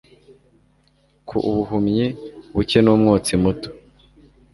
Ko ubuhumyi buke numwotsi muto